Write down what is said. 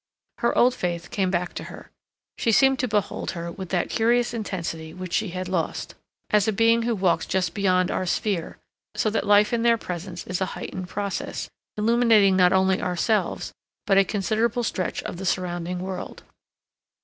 Her old faith came back to her. She seemed to behold her with that curious intensity which she had lost; as a being who walks just beyond our sphere, so that life in their presence is a heightened process, illuminating not only ourselves but a considerable stretch of the surrounding world.